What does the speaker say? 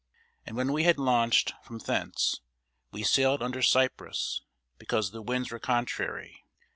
And when we had launched from thence, we sailed under Cyprus, because the winds were contrary.